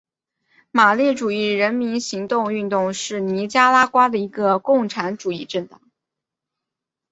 马列主义人民行动运动是尼加拉瓜的一个共产主义政党。